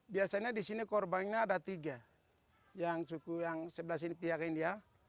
biasanya disini korbannya ada tiga yang sebelah sini pihak india